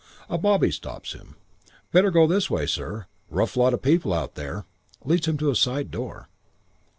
"A bobby stops him. 'Better go this way, sir. Rough lot of people out there.' Leads him to a side door.